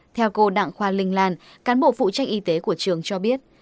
theo cô đặng khoa linh lan cán bộ phụ trách y tế của trường cho biết